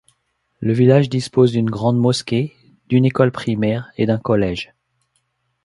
Le village dispose d'une grande mosquée, d'une école primaire, et d'un collége.